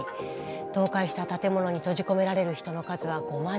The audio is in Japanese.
倒壊した建物に閉じ込められる人の数は５万人から７万人。